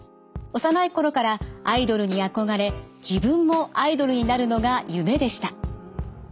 幼い頃からアイドルにあこがれ自分もアイドルになるのが夢でした。